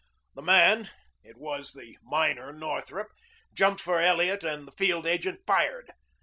The man it was the miner Northrup jumped for Elliot and the field agent fired.